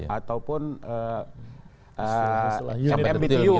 ataupun mbtu gitu